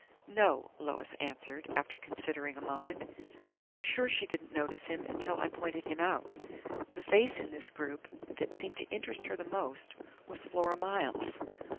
"No," Lois answered, after considering a moment. "I'm sure she didn't notice him until I pointed him out. The face in this group that seemed to interest her most was Flora Miles'.